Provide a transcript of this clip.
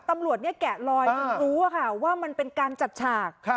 ตำรวจแกะลอยจนรู้ว่ามันเป็นการจัดฉาก